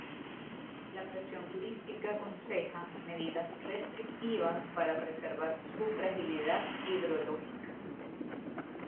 La presión turística aconseja medidas restrictivas para preservar su fragilidad hidrológica.